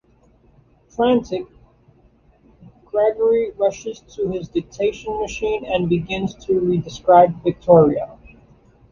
Frantic, Gregory rushes to his dictation machine and begins to re-describe Victoria.